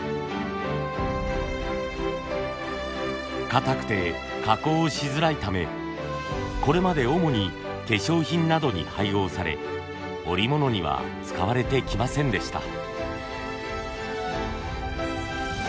堅くて加工しづらいためこれまで主に化粧品などに配合され織物には使われてきませんでした。